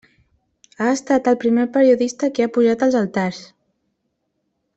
Ha estat el primer periodista que ha pujat als altars.